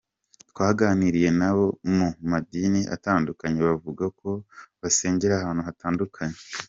Twaganiriye n’abo mu madini atandukanye bavuga ko basengera ahantu hatandukanye.